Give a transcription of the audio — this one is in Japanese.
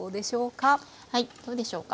はいどうでしょうか。